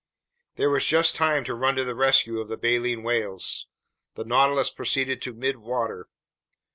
There was just time to run to the rescue of the baleen whales. The Nautilus proceeded to midwater.